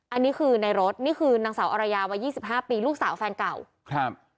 อันนี้คือในรถนี่คือนางสาวอรยาวัยยี่สิบห้าปีลูกสาวแฟนเก่าครับ